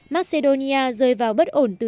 macedonia rơi vào bất ổn tự do